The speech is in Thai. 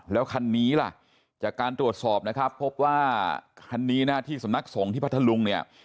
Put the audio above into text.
แล้วคันนี้ล่ะจากการตรวจสอบนะครับพบว่าคันนี้นะที่สำนักสงฆ์ที่พัทธลุงเนี่ย